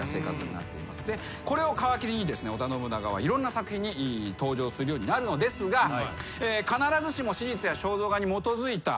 これを皮切りに織田信長はいろんな作品に登場するようになるのですが必ずしも。